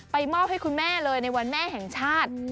มอบให้คุณแม่เลยในวันแม่แห่งชาติ